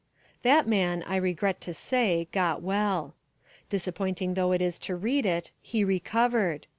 That man, I regret to say, got well. Disappointing though it is to read it, he recovered.